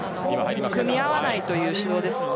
組み合わないという指導です。